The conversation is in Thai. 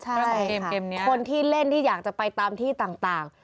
ใช่ค่ะคนที่เล่นที่อยากจะไปตามที่ต่าง